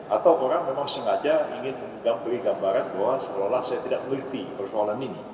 atau orang memang sengaja ingin memberi gambaran bahwa seolah olah saya tidak meneliti persoalan ini